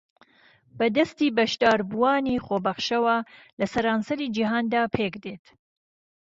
بە دەستی بەشداربووانی خۆبەخشەوە لە سەرانسەری جیھاندا پێکدێت